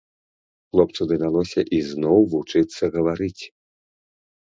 Хлопцу давялося ізноў вучыцца гаварыць.